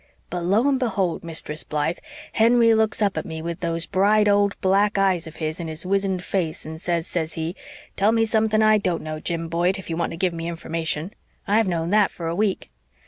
But lo and behold, Mistress Blythe, Henry looks up at me, with those bright old black eyes of his in his wizened face and says, says he, 'Tell me something I don't know, Jim Boyd, if you want to give me information. I've known THAT for a week.'